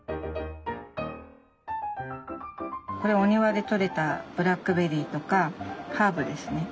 これお庭でとれたブラックベリーとかハーブですね。